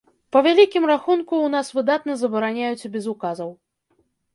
Па вялікім рахунку, у нас выдатна забараняюць і без указаў.